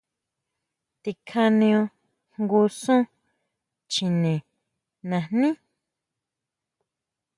Tikjaneo jngu sún chjine najní.